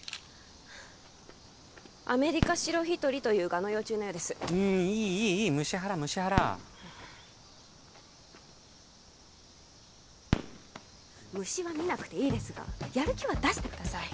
アメリカシロヒトリという蛾の幼虫のようですいいいいいい虫ハラ虫ハラ虫は見なくていいですがやる気は出してください